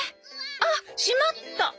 あっしまった！